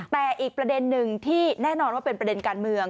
แต่อีกประเด็นหนึ่งที่แน่นอนว่าเป็นประเด็นการเมือง